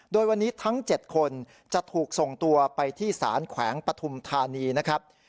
โดยวันนี้ทั้ง๗คนจะถูกส่งตัวไปที่ศาลแขวงปฐุมธานีนะครับ